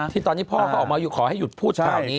ที่ตอนนี้พ่อเขาออกมาขอให้หยุดพูดข่าวนี้